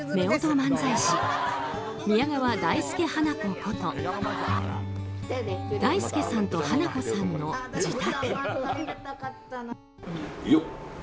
漫才師宮川大助・花子こと大助さんと花子さんの自宅。